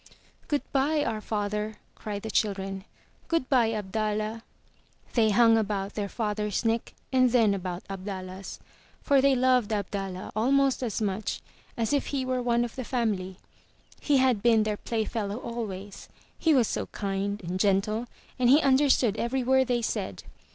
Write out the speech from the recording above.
''Good by, our father!'' cried the children. Good by, Abdallah!'* They hung about their father's neck and then about Abdallah's. For they loved Abdallah almost as much as if he were one of the family. He had been their playfellow always; he was so kind and gentle, and he understood every word they said.